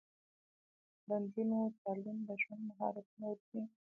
د نجونو تعلیم د ژوند مهارتونه ورښيي.